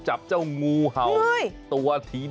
ระหว่างนั้นก็นำเนื้องูเห่าที่สับละเอียดไปลงกระทะอย่างที่เห็น